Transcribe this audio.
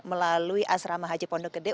melalui asrama haji pondok gede jakarta timur